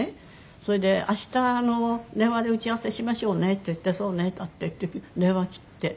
それで「明日電話で打ち合わせしましょうね」って言って「そうね」なんて言って電話切って。